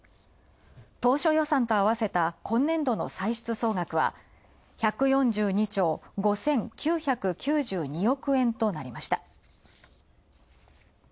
当初、予算と合わせた今年度の歳出総額は１４２兆５９９２億円となりました。